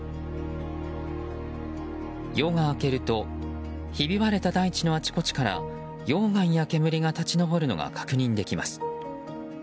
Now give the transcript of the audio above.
夜が明けるとひび割れた大地のあちこちから溶岩や煙が立ち上るのが確認できます。